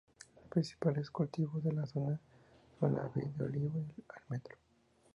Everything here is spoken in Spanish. Los principales cultivos de la zona son: la vid, el olivo y el almendro.